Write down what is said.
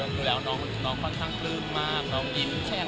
ดูแล้วน้องค่อนข้างลืมมาก